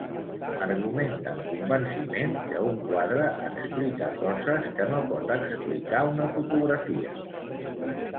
Argumenta amb convenciment que un quadre explica coses que no pot explicar una fotografia.